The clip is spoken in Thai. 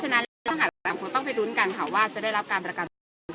เพราะฉะนั้นต้องไปรุ้นกันขอว่าจะได้รับการประกัน